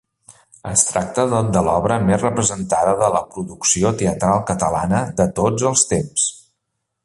Es tracta de l'obra més representada de la producció teatral catalana de tots els temps.